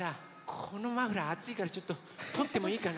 このマフラーあついからちょっととってもいいかな？